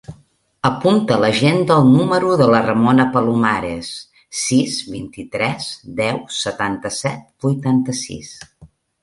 Apunta a l'agenda el número de la Ramona Palomares: sis, vint-i-tres, deu, setanta-set, vuitanta-sis.